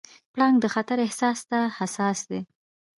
پړانګ د خطر احساس ته حساس دی.